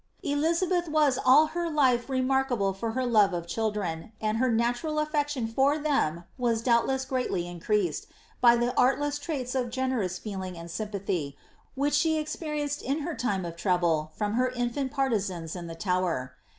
^'' Elizabeth was all her life remarkable for her love of children, and her natural afl^tioD for them, was doubtless greatly increased, by the art less traits of generous feeling and sympathy, which she experienced in her time of trouble, from her infant partisans in the Tower.